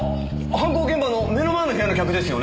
犯行現場の目の前の部屋の客ですよね。